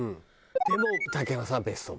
でも竹山さんは別荘を。